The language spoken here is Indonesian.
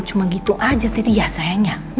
cuma gitu aja jadi ya sayangnya